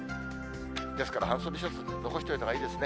ですから半袖シャツ、残しておいた方がいいですね。